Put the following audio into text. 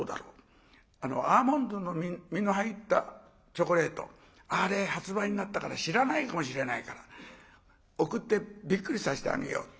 アーモンドの実の入ったチョコレートあれ発売になったから知らないかもしれないから贈ってびっくりさせてあげようって。